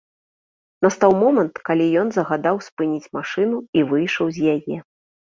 Настаў момант, калі ён загадаў спыніць машыну і выйшаў з яе.